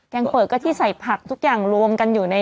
งเปลือกก็ที่ใส่ผักทุกอย่างรวมกันอยู่ใน